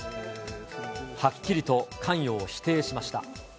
はっきりと関与を否定しました。